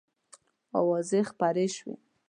آوازې خپرې شوې.